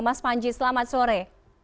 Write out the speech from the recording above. mas panji selamat sore